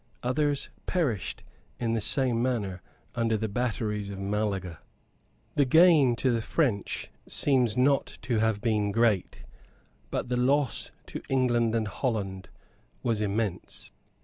Others perished in the same manner under the batteries of Malaga. The gain to the French seems not to have been great; but the loss to England and Holland was immense.